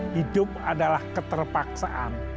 hidup adalah keterpaksaan